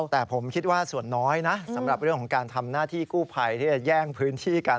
แต่ผมคิดว่าส่วนน้อยนะสำหรับเรื่องของการทำหน้าที่กู้ภัยที่จะแย่งพื้นที่กัน